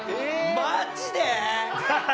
マジで！？